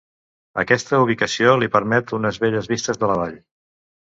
Aquesta ubicació li permet unes belles vistes de la vall.